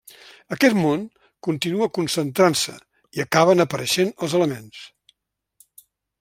Aquest món continua concentrant-se i acaben apareixent els elements.